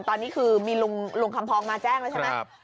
ตอนนี้คือมีลุงคำพองมาแจ้งแล้วใช่ไหม